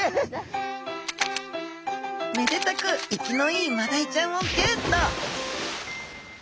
めでたく生きのいいマダイちゃんをゲット！